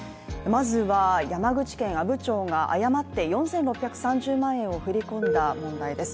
まずは山口県阿武町が誤って４６３０万円を振り込んだ問題です。